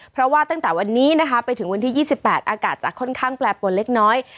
เพราะว่าตั้งแต่วันนี้นะคะไปถึงวันที่๒๘อากาศจะค่อนข้างแปรปวนเล็กน้อย